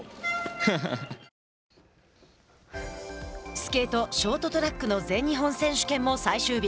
スケートショートトラックの全日本選手権も最終日。